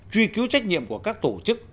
truy cứu trách nhiệm của các tổ chức